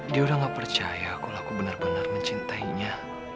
dia udah gak percaya kalau aku bener bener mencintainya